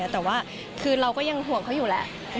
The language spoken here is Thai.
แต่ว่าคือเราก็ยังห่วงเขาอยู่แหละ